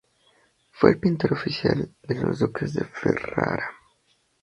Fue el pintor oficial de los duques de Ferrara.